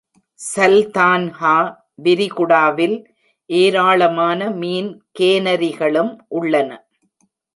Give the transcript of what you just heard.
சல்தான்ஹா விரிகுடாவில் ஏராளமான மீன் கேனரிகளும் உள்ளன.